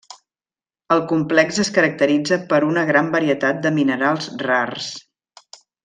El complex es caracteritza per una gran varietat de minerals rars.